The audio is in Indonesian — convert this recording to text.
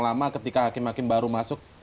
lama ketika hakim hakim baru masuk